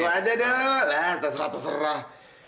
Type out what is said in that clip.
aku aja dulu lah terserah teserah